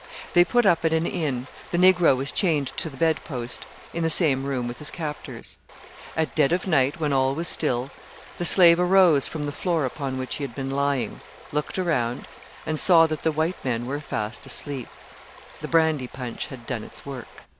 They put up at an inn. The Negro was chained to the bed post, in the same room with his captors. At dead of night, when all was still, the slave arose from the floor upon which he had been lying, looked around, and saw that the white men were fast asleep. The brandy punch had done its work.